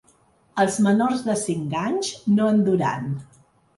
Els menors de cinc anys no en duran.